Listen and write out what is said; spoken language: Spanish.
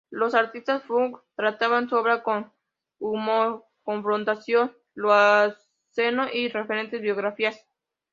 Los artistas "funk" trataban su obra con humor, confrontación, lo obsceno y referencias biográficas.